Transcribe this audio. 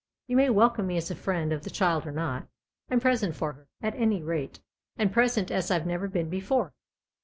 You may welcome me as a friend of the child or not. I'm present for her, at any rate, and present as I've never been before."